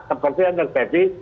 seperti yang terjadi